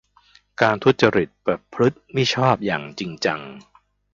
การทุจริตประพฤติมิชอบอย่างจริงจัง